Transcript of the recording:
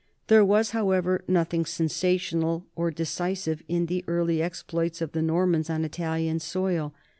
There was, however, nothing sensational or decisive in the early exploits, of the Normans on Italian soil.